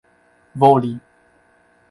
voli